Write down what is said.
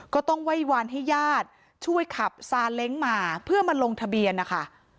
ก็ต้องไหว้วานให้ญาติช่วยขับซาเล้งมาเพื่อมาลงทะเบียนนะคะ